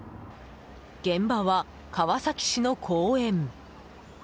現場は川崎市の公園。